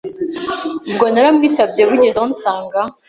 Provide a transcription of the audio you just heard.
Ubwo naramwitabye bugezeho nsanga